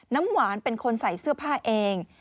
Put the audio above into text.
น้ำหวานเป็นคนใส่เสื้อผ้าเอง